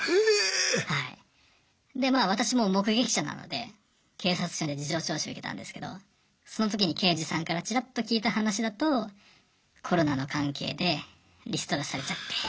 でまあ私も目撃者なので警察署で事情聴取受けたんですけどその時に刑事さんからちらっと聞いた話だとコロナの関係でリストラされちゃって。